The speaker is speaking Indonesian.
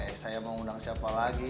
eh saya mau undang siapa lagi